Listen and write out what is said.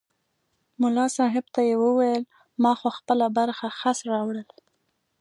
ملا صاحب ته یې وویل ما خو خپله برخه خس راوړل.